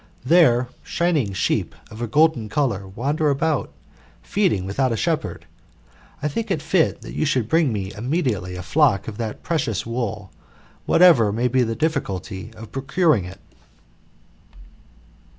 There shining sheep of a golden colour wander about, feeding without a shepherd. I think it fit that you should bring me immediately a flock of that precious wool, whatever may be the difficulty of procuring it."